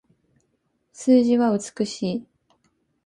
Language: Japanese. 数字は美しい